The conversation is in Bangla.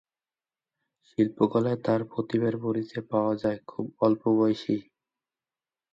শিল্পকলায় তাঁর প্রতিভার পরিচয় পাওয়া যায় খুব অল্প বয়সেই।